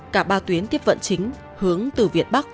cả ba tuyến tiếp vận chính hướng từ việt bắc